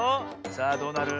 さあどうなる？